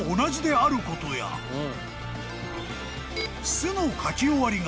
［「す」の書き終わりが］